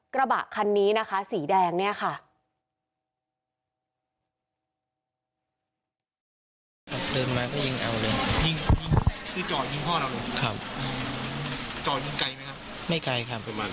กระบะคันนี้นะคะสีแดงเนี่ยค่ะ